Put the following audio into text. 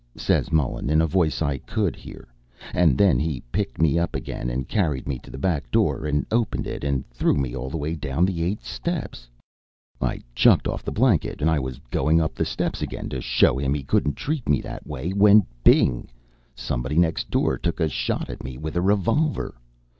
says Mullen, in a voice I could hear, and then he picked me up again and carried me to the back door, and opened it and threw me all the way down the eight steps. I chucked off the blanket, and I was going up the steps again, to show him he couldn't treat me that way, when bing! somebody next door took a shot at me with a revolver.